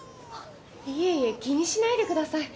いえいえ気にしないでください。